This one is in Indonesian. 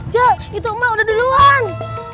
cuk itu emak udah duluan